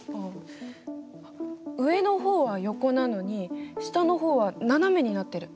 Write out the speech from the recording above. あっ上の方は横なのに下の方は斜めになってる！